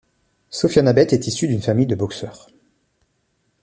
Sofia Nabet est issue d’une famille de boxeurs.